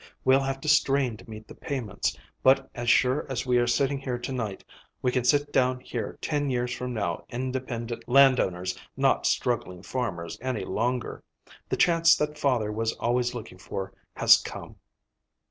We'll have to strain to meet the payments. But as sure as we are sitting here to night, we can sit down here ten years from now independent landowners, not struggling farmers any longer. The chance that father was always looking for has come."